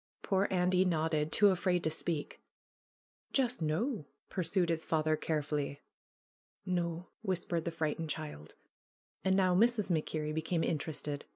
Poor Andy nodded, too afraid to speak. "Just noo?" pursued his father carefully. "No," whispered the frightened child. And now Mrs. MacKerrie became interested.